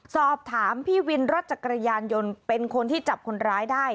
สอบถามพี่วินรถจักรยานยนต์เป็นคนที่จับคนร้ายได้